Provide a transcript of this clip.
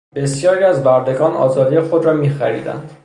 بسیاری از بردگان آزادی خود را میخریدند.